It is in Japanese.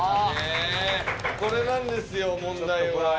これなんですよ問題は。